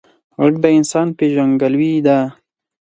غږ د انسان پیژندګلوي ده